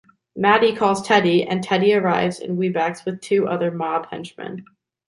Matty calls Teddy and Teddy arrives in Wibaux with two other mob henchmen.